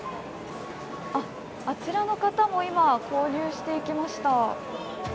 あちらの方も、今購入していきました。